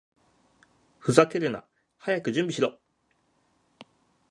ふざけるな！早く準備しろ！